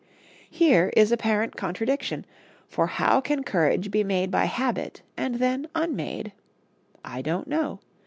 Here is apparent contradiction, for how can courage be made by habit and then unmade? I don't know.